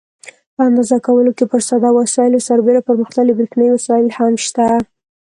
په اندازه کولو کې پر ساده وسایلو سربېره پرمختللي برېښنایي وسایل هم شته.